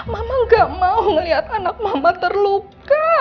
mama gak mau ngeliat anak mama terluka